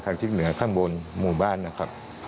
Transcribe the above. ทิศเหนือข้างบนหมู่บ้านนะครับ